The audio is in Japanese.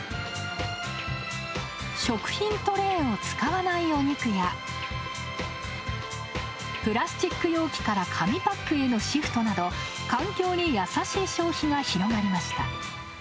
食品トレーを使わないお肉やプラスチック容器から紙パックへのシフトなど環境に優しい消費が広がりました。